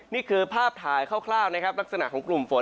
นี่คือภาพถ่ายคร่าวนะครับลักษณะของกลุ่มฝน